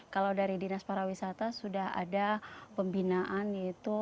kalau dari dinas parawisata sudah ada pembinaan yaitu